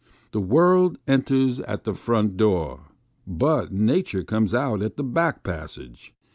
The world enters at the front door, but nature comes out at the back passage.